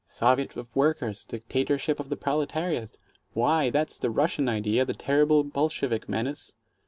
"Soviet of Workers," dictatorship of the Proletariat"! Why, that's the Russian idea, the terrible Bolshevik menace.